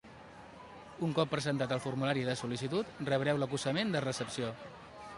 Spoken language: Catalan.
Un cop presentat el formulari de sol·licitud, rebreu l'acusament de recepció.